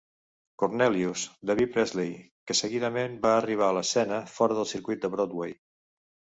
"Cornelius" de B. Priestley, que seguidament va arribar a l'escena fora del circuit de Broadway.